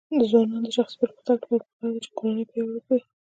د ځوانانو د شخصي پرمختګ لپاره پکار ده چې کورنۍ پیاوړې کړي.